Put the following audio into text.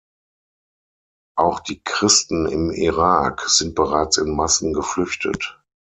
Auch die Christen im Irak sind bereits in Massen geflüchtet.